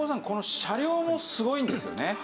この車両もすごいんですよね？